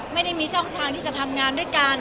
ไม่ได้มีช่องทางที่จะทำงานด้วยกัน